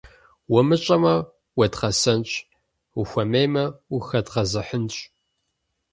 Умыщӏэмэ – уедгъэсэнщ, ухуэмеймэ - ухэдгъэзыхьынщ.